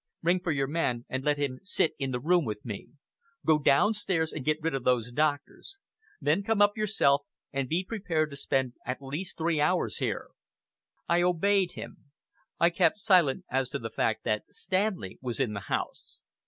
"Ring for your man and let him sit in the room with me. Go downstairs and get rid of those doctors. Then come up yourself, and be prepared to spend at least three hours here." I obeyed him. I kept silent as to the fact that Stanley was in the house.